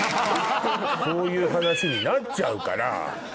そういう話になっちゃうから。